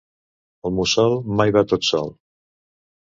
Un mussol mai va tot sol.